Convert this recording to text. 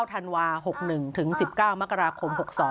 ธันวา๖๑ถึง๑๙มกราคม๖๒